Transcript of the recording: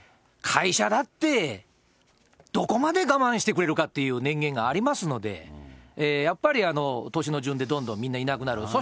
会社だってどこまで我慢してくれるかっていう年限がありますので、やっぱり、年の順でどんどんみんないなくなる。